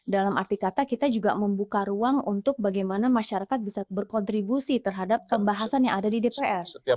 dalam arti kata kita juga membuka ruang untuk bagaimana masyarakat bisa berkontribusi terhadap pembahasan yang ada di dpr